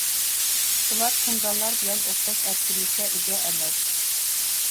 ئۇلار تۇڭگانلار بىلەن ئوخشاش ئەركىنلىككە ئىگە ئەمەس.